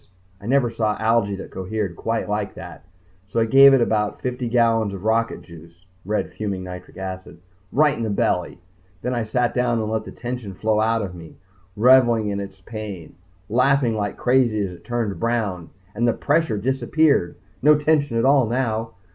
I never saw algae that cohered quite like that. So I gave it about fifty gallons of rocket juice red fuming nitric acid right in the belly. Then I sat down and let the tension flow out of me, revelling in its pain, laughing like crazy as it turned brown and the pressure disappeared. No tension at all now.